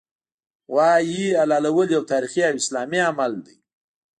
غوايي حلالول یو تاریخي او اسلامي عمل دی